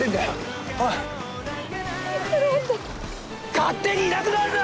勝手にいなくなるな！